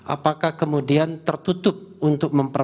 apakah kemudian tertutup untuk memperbaiki